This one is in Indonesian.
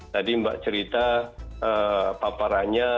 tadi mbak cerita paparannya